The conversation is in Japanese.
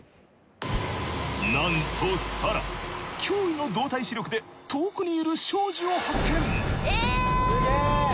なんとＳａＲａ驚異の動体視力で遠くにいる庄司を発見。